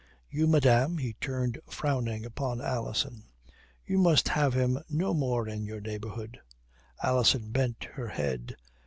You, madame," he turned frowning upon Alison, "you must have him no more in your neighbourhood." Alison bent her head.